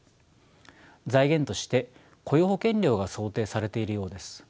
財源として雇用保険料が想定されているようです。